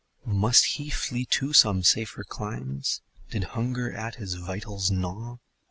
Must he flee to some safer climes? Did hunger at his vitals gnaw?